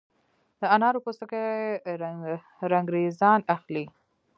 د انارو پوستکي رنګریزان اخلي؟